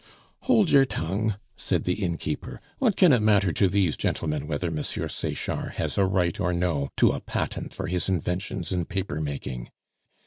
"Hold your tongue," said the innkeeper. "What can it matter to these gentlemen whether Monsieur Sechard has a right or no to a patent for his inventions in paper making?